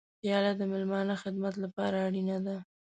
پیاله د میلمانه خدمت لپاره اړینه ده.